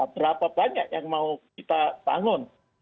berapa banyak yang mau kita bangun